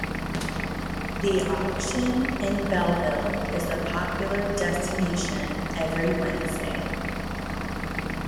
The auction in Belleville is a popular destination every Wednesday.